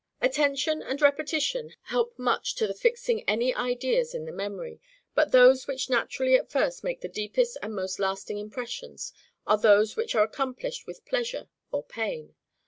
Attention and repetition help much to the fixing any ideas in the memory. But those which naturally at first make the deepest and most lasting impressions, are those which are accompanied with pleasure or pain.